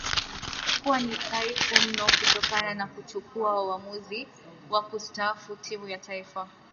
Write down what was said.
kuwa ni thaifu mno kutokana na kuchukua wamuzi wa kustaafu timu ya taifa